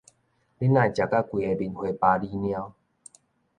你哪會食甲規个面花巴哩貓？